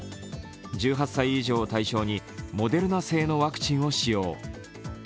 １８歳以上を対象にモデルナ製のワクチンを使用。